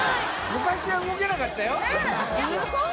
昔は動けなかったよ。